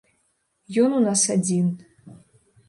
Ён у нас адзін.